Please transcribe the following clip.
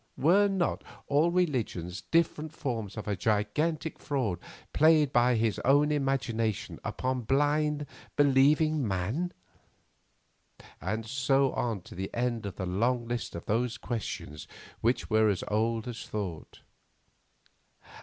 Were not all religions different forms of a gigantic fraud played by his own imagination upon blind, believing man? And so on to the end of the long list of those questions which are as old as thought.